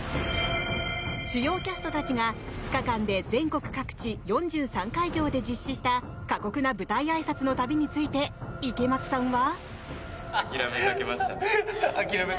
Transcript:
主要キャストたちが、２日間で全国各地４３会場で実施した過酷な舞台あいさつの旅について池松さんは。